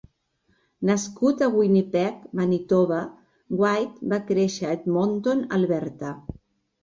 Nascut a Winnipeg, Manitoba, Whyte va créixer a Edmonton, Alberta.